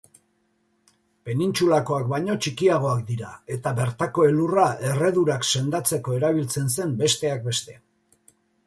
Penintsulakoak baino txikiagoak dira eta bertako elurra erredurak sendatzeko erabiltzen zen besteak beste.